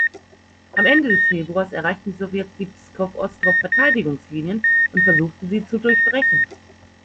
Am Ende des Februars erreichten die Sowjets die Pskow-Ostrow-Verteidigungslinien und versuchten, sie zu durchbrechen.